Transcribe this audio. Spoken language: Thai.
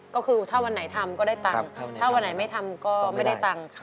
ก็คือถ้าวันไหนทำก็ได้ตังค์ถ้าวันไหนไม่ทำก็ไม่ได้ตังค์